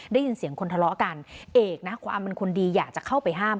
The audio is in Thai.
ได้ยินเสียงคนทะเลาะกันเอกนะความเป็นคนดีอยากจะเข้าไปห้าม